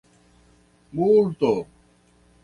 multo